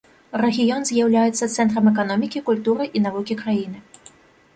Рэгіён з'яўляецца цэнтрам эканомікі, культуры і навукі краіны.